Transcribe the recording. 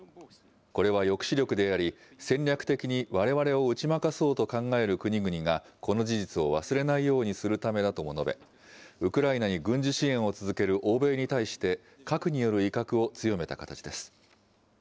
これは抑止力であり、戦略的にわれわれを打ち負かそうと考える国々がこの事実を忘れないようにするためだとも述べ、ウクライナに軍事支援を続ける欧米に対して核による威嚇を強めた形です。